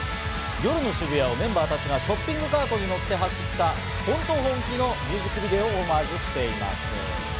夜の渋谷をメンバーたちがショッピングカートに乗って走った『本当本気』のミュージックビデオをオマージュしています。